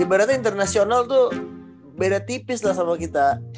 ibaratnya internasional tuh beda tipis lah sama kita